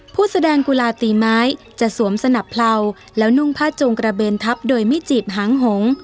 ผู้แสดงกุลาตีไม้จะสวมสนับเลาแล้วนุ่งผ้าจูงกระเบนทับโดยไม่จีบหางหง